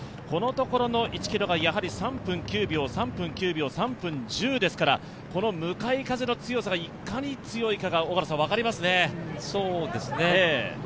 このところの１ｋｍが３分９秒、３分９秒、３分１０秒ですから向かい風の強さがいかに強いかが分かりますね。